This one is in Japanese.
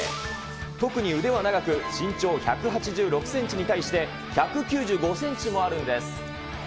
特に腕は長く、身長１８６センチに対して、１９５センチもあるんです。